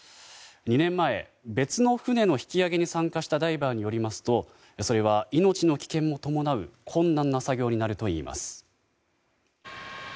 ２年前、別の船の引き揚げに参加したダイバーによりますとそれは命の危険も伴う困難な作業になるといいます。